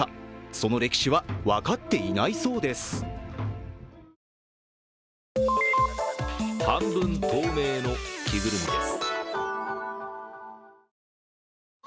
その歴史は分かっていないそうです。